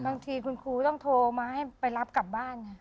บางทีคุณครูต้องโทรมาให้ไปรับกลับบ้านไง